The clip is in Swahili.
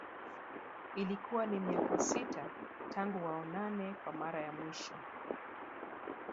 Ikiwa ni miaka sita tangu waonane kwa Mara ya mwisho